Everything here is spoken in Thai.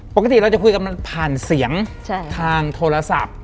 ปกติเราจะคุยกันมันผ่านเสียงทางโทรศัพท์